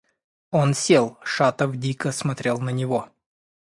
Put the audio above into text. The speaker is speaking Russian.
Он сел. Шатов дико смотрел на него.